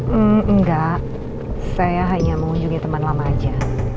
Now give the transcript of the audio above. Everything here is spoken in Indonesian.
hmm enggak saya hanya mengunjungi teman lama aja